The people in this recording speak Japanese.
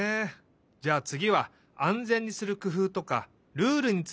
じゃあつぎはあんぜんにするくふうとかルールについてかんがえよう。